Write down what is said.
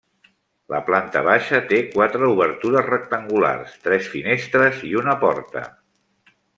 La planta baixa té quatre obertures rectangulars, tres finestres i una porta.